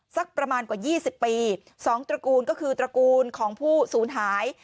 สักประมาณกว่า๒๐ปี๒ตระกูลก็คือตระกูลของผู้สูญหาย